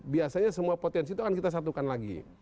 biasanya semua potensi itu akan kita satukan lagi